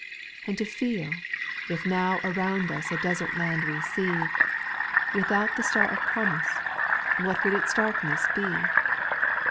And to feel, if now around us a desert land we see, Without the "^tar of promise, what would its darkness be